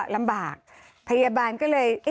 ลำบากพยาบาลก็เลย